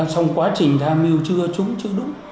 xong quá trình tham mưu chưa trúng chưa đúng